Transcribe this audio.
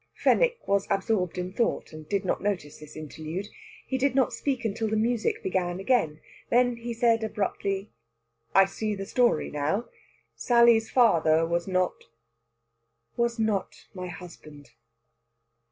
Fenwick was absorbed in thought, and did not notice this interlude. He did not speak until the music began again. Then he said abruptly: "I see the story now. Sally's father was not...." "Was not my husband."